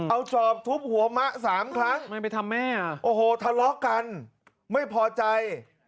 เอาจอบทุบหัวมะสามครั้งไม่ไปทำแม่โอ้โหทะเลาะกันไม่พอใจ